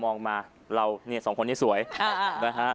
มองมาเราเนี่ยสองคนนี้สวยนะฮะ